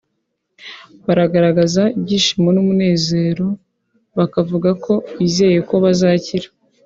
baragaragaza ibyishimo n’umunezero bakavuga ko bizeye ko bazakira